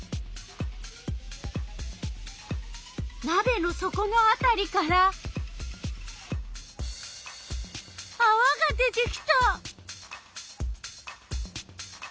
なべのそこのあたりからあわが出てきた！